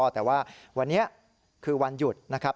แต่ว่าวันนี้คือวันหยุดนะครับ